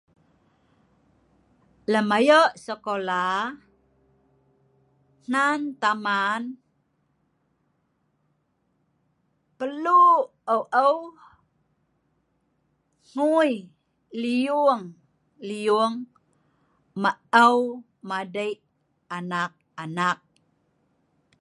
In terms of school, parents need to work together to teach their children